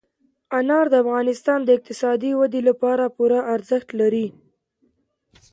انار د افغانستان د اقتصادي ودې لپاره پوره ارزښت لري.